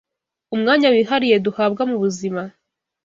Umwanya wihariye duhabwa mu buzima